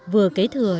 vừa kế thừa